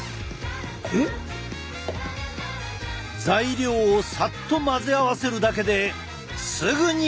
材料をさっと混ぜ合わせるだけですぐに完成！